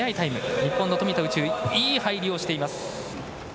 日本の富田宇宙、いい入りをしています。